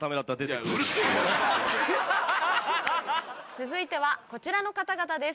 続いてはこちらの方々です。